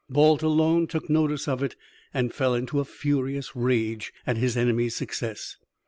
Balt alone took notice of it, and fell into a furious rage at his enemy's success.